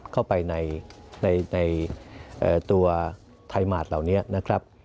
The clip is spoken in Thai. เข้าไปในตัวไทยหมาดเหล่านี้นะครับ